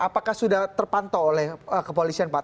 apakah sudah terpantau oleh kepolisian pak